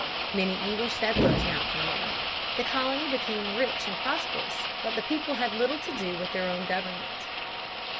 Many English settlers now came in. The colony became rich and prosperous, but the people had little to do with their own government.